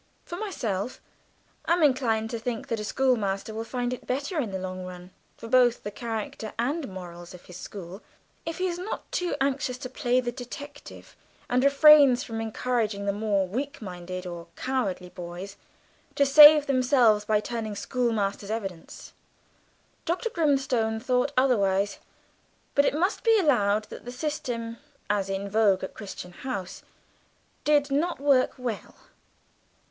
For myself, I am inclined to think that a schoolmaster will find it better in the long run, for both the character and morals of his school, if he is not too anxious to play the detective, and refrains from encouraging the more weak minded or cowardly boys to save themselves by turning "schoolmaster's evidence." Dr. Grimstone thought otherwise; but it must be allowed that the system, as in vogue at Crichton House, did not work well.